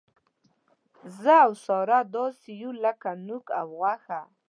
زه او ساره داسې یو لک نوک او غوښه.